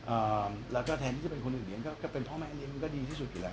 เอ่อแล้วก็แทนที่จะเป็นคนอื่นเลี้ยก็ก็เป็นพ่อแม่เลี้ยงมันก็ดีที่สุดอยู่แล้ว